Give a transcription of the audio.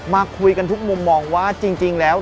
มาคุยกันทุกมุมมองว่าจริงแล้ว